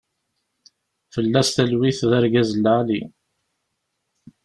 Fella-s talwit, d argaz lɛali.